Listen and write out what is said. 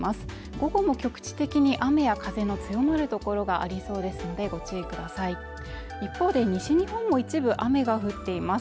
午後も局地的に雨や風の強まる所がありそうですのでご注意ください一方で西日本も一部雨が降っています